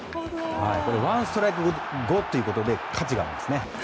これ、ワンストライク後ということで価値があります。